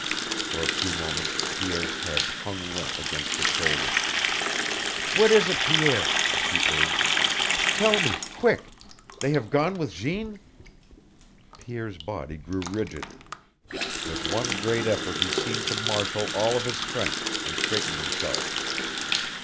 For a few moments Pierre's head hung limp against his shoulder. "What is it, Pierre?" he urged. "Tell me quick! They have gone with Jeanne!" Pierre's body grew rigid. With one great effort he seemed to marshal all of his strength, and straightened himself.